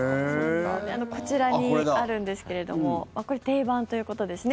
こちらにあるんですけれどもこれ、定番ということですね。